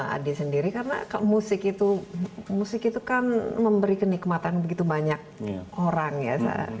adi sendiri karena musik itu musik itu kan memberi kenikmatan begitu banyak orang ya